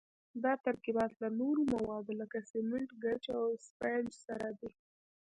دا ترکیبات له نورو موادو لکه سمنټ، ګچ او اسفنج سره دي.